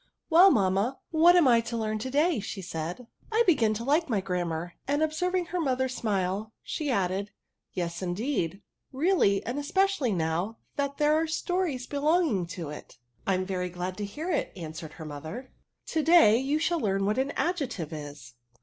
'' Well, mamma, what am I to learn to day ?" said she :I begin to Jike my Grammar ;'* and observing her mother smile, she added, '* Tes, indeed, really, and •especially iiow that there are stories belong ing to it." ." I am very glad to hear it," answered her 'mother: ^' to day you shall learn what an mdjectioe is."